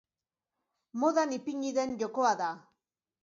Modan ipini den jokoa da.